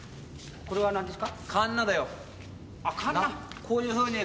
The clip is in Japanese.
これいいですか。